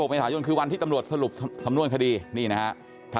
เมษายนคือวันที่ตำรวจสรุปสำนวนคดีนี่นะครับ